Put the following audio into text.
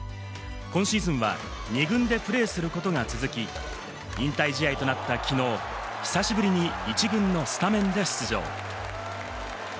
今シーズンは２軍でプレーすることが続き、引退試合となった昨日、久しぶりに１軍のスタメンで出場。